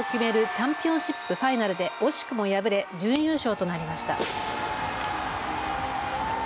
チャンピオンシップファイナルで惜しくも敗れ準優勝となりました。